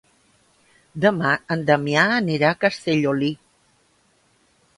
Demà en Damià anirà a Castellolí.